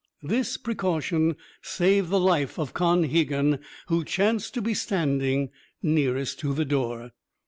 This precaution saved the life of Con Hegan, who chanced to be standing nearest to the door.